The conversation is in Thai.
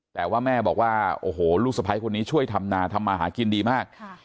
แต่ว่าแม่บอกว่าโอ้โหลูกสะพ้ายคนนี้ช่วยทำนาทำมาหากินดีมาก